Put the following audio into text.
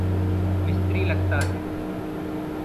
मिस्री लगता है।